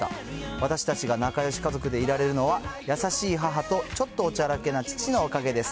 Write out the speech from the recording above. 私たちが仲よし家族でいられるのは、優しい母とちょっとおちゃらけな父のおかげです。